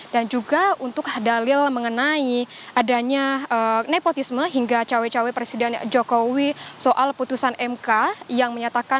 dan juga untuk dalil mengenai adanya nepotisme hingga cowok cowok presiden jokowi soal putusan mk